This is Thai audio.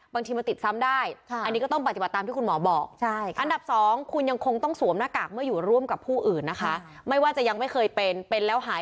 บางทีมันติดซ้ำได้ค่ะอันนี้ก็ต้องติดตามที่คุณหมอบอกใช่ค่ะ